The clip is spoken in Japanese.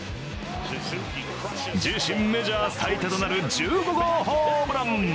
自身メジャー最多となる１５号ホームラン。